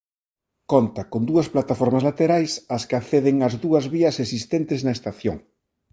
Conta con dúas plataformas laterais ás que acceden as dúas vías existentes na estación.